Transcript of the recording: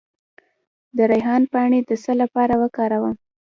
د ریحان پاڼې د څه لپاره وکاروم؟